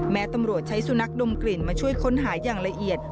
ตำรวจใช้สุนัขดมกลิ่นมาช่วยค้นหาอย่างละเอียด